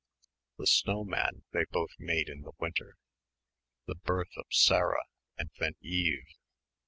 The snow man they both made in the winter the birth of Sarah and then Eve